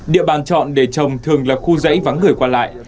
địa bàn chọn để trồng thường là khu dãy vắng người qua lại